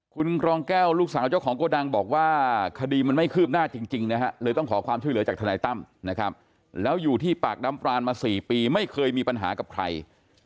คุณกรองแก้วลูกสาวเจ้าของโกดังบอกว่าคดีมันไม่คืบหน้าจริงนะฮะเลยต้องขอความช่วยเหลือจากทนายตั้มนะครับแล้วอยู่ที่ปากน้ำปรานมา๔ปีไม่เคยมีปัญหากับใคร